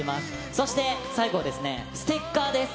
そして最後はステッカーです。